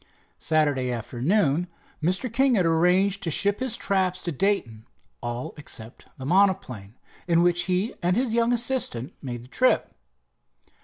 Saturday afternoon Mr. King had arranged to ship his traps to Dayton, all except the monoplane, in which he and his young assistant made the trip.